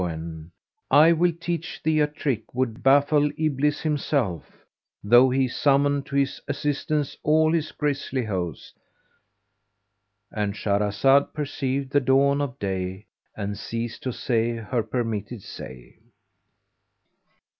[FN#389] I will teach thee a trick would baffle Iblis himself, though he summon to his assistance all his grisly hosts."—And Shahrazad perceived the dawn of day and ceased to say her permitted say.